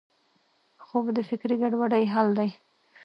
خوب د فکري ګډوډۍ حل دی